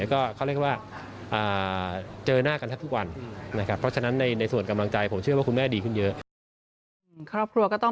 ก็เขาเรียกว่าเจอหน้ากันทั้งทุกวัน